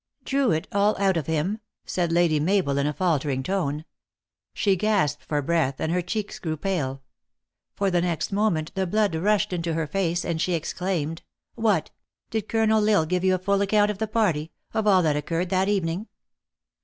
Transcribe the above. "Drew it all out of him !" said Lady Mabel, in a faltering tone. She gasped for breath, and her cheek grew pale. But the next moment the blood rushed into her face, and she exclaimed :" What ! Did Colonel L Isle give you a full account of the party of all that occurred that evening